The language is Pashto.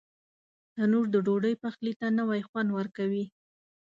تنور د ډوډۍ پخلي ته نوی خوند ورکوي